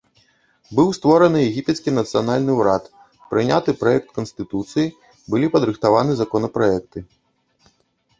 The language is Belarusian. Быў створаны егіпецкі нацыянальны ўрад, прыняты праект канстытуцыі, былі падрыхтаваны законапраекты.